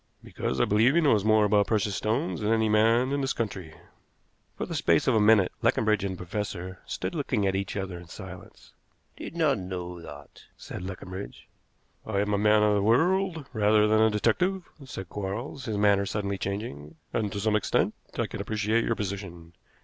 "Because I believe he knows more about precious stones than any man in this country." For the space of a minute Leconbridge and the professor stood looking at each other in silence. "I did not know that," said Leconbridge. "I am a man of the world rather than a detective," said Quarles, his manner suddenly changing, "and to some extent I can appreciate your position.